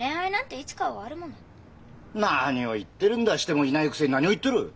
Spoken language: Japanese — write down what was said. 何を言ってるんだしてもいないくせに何を言ってる！